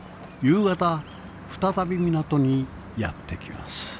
夕方再び港にやってきます。